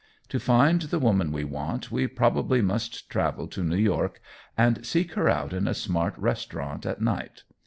To find the woman we want, we probably must travel to New York and seek her out in a smart restaurant at night.